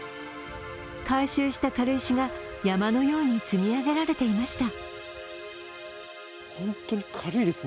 回収した軽石が山のように積み上げられていました。